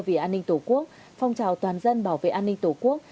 vì an ninh tổ quốc phong trào toàn dân bảo vệ an ninh tổ quốc